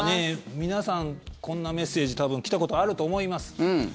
皆さん、こんなメッセージ多分、来たことあると思います。